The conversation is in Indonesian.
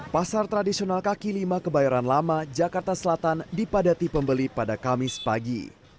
pasar tradisional kaki lima kebayoran lama jakarta selatan dipadati pembeli pada kamis pagi